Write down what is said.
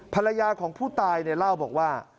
ภรรยาของผู้ตายเนี่ยเล่าบอกว่า